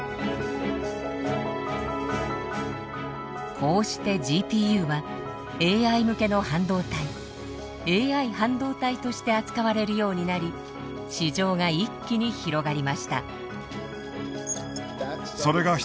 こうしてＧＰＵはＡＩ向けの半導体ＡＩ半導体として扱われるようになり市場が一気に広がりました。